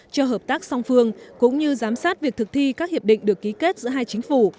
cho hợp tác song phương cũng như giám sát việc thực thi các hiệp định được ký kết giữa hai chính phủ